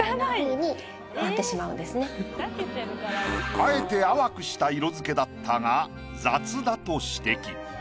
あえて淡くした色付けだったが雑だと指摘。